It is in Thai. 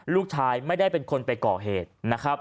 ลูกชายไม่ได้เป็นคนไปก่อเหตุนะครับ